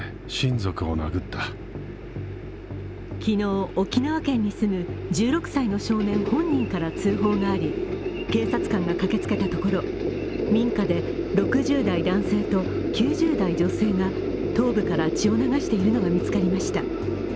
昨日、沖縄県に住む１６歳の少年本人から通報があり警察官が駆けつけたところ、民家で６０代男性と９０代女性が頭部から血を流しているのが見つかりました。